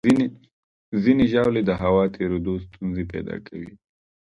ځینې ژاولې د هوا تېرېدو ستونزې پیدا کوي.